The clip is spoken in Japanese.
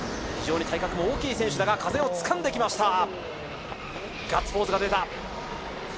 非常に体格も大きい選手だが風をつかんできました、ガッツポーズが出た。